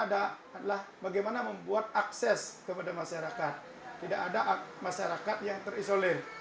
ada adalah bagaimana membuat akses kepada masyarakat tidak ada masyarakat yang terisolir